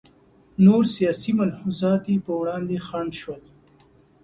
نور سیاسي ملحوظات یې پر وړاندې خنډ شول.